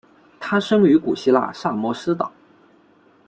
他生于古希腊萨摩斯岛。